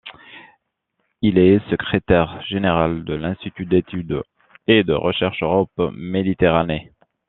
Il est secrétaire général de l’Institut d’Études et de Recherche Europe Méditerranée.